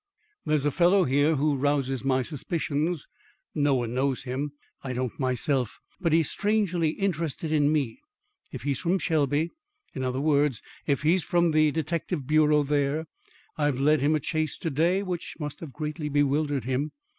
There's a fellow here who rouses my suspicions. No one knows him; I don't myself. But he's strangely interested in me. If he's from Shelby in other words, if he's from the detective bureau there, I've led him a chase to day which must have greatly bewildered him.